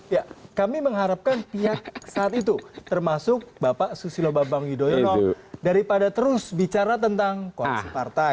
ya kami mengharapkan pihak saat itu termasuk bapak susilo bambang yudhoyono daripada terus bicara tentang koalisi partai